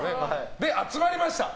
で、集まりました。